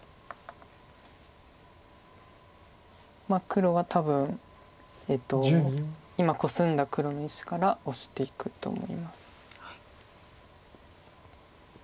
黒は多分今コスんだ黒２子からオシていくと思います。